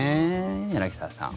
柳澤さん。